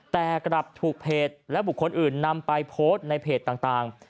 แต่กลับถูกเพจและบุคคลอื่นนำไปโพสต์ในเพจต่าง